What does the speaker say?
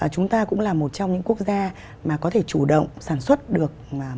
chúng ta cũng là một trong những quốc gia mà có thể chủ động sản xuất được